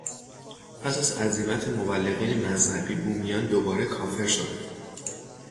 پس از عزیمت مبلغین مذهبی، بومیان دوباره کافر شدند.